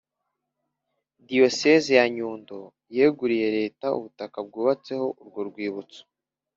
Diyosezi ya Nyundo yeguriye Leta ubutaka bwubatseho urwo rwibutso